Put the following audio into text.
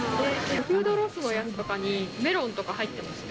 フードロスのやつとかに、メロンとか入ってました。